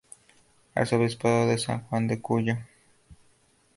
Arzobispado de San Juan de Cuyo.